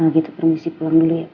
kalau gitu permisi pulang dulu ya pak